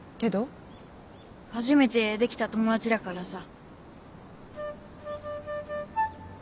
初めてできた友達だからさ。